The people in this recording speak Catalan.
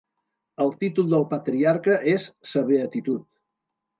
El títol del patriarca és "Sa Beatitud".